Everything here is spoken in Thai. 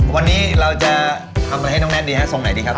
วันนี้เราจะทำอะไรให้น้องแน็ตดีฮะทรงไหนดีครับ